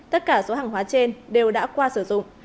tất cả số hàng hóa trên đều đã qua sử dụng